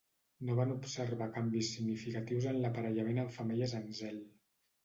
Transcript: No van observar canvis significatius en l'aparellament amb femelles en zel.